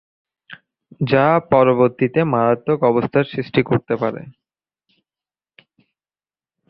যা পরবর্তীতে মারাত্মক অবস্থার সৃষ্টি করতে পারে।